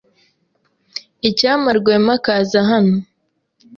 Icyampa Rwema akaza hano.